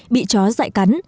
bị chó dại cắn